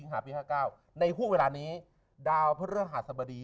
ในกลางเวลานี้ดาวพระราชบดี